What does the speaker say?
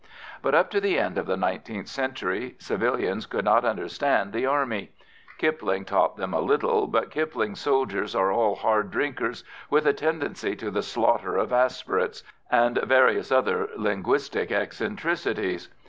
But, up to the end of the nineteenth century, civilians could not understand the Army. Kipling taught them a little, but Kipling's soldiers are all hard drinkers with a tendency to the slaughter of aspirates, and various other linguistic eccentricities.